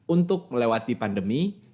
untuk melewati pandemi